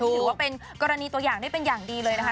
ถือว่าเป็นกรณีตัวอย่างได้เป็นอย่างดีเลยนะคะ